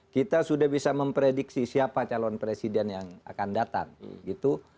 kita sudah bisa memprediksi siapa calon presiden yang akan datang gitu